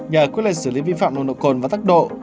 nhờ quyết lệ xử lý vi phạm nồng độ cồn và tốc độ